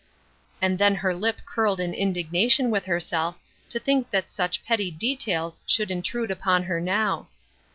" And then her lip curled in indignation with herself to think that such petty details should intrude upon her now.